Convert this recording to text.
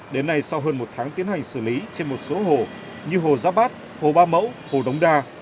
đến nay sau hơn một tháng tiến hành xử lý trên một số hồ như hồ giáp bát hồ ba mẫu hồ đống đa